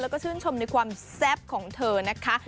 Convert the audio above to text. แล้วก็ชื่นชมในความแซ่บของเธอนะคะ